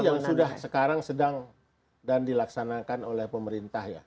itu yang sudah sekarang sedang dan dilaksanakan oleh pemerintah ya